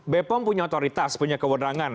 bepom punya otoritas punya kewenangan